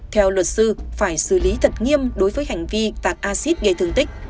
theo luật sư phải xử lý thật nghiêm đối với hành vi tạt acid gây tường tích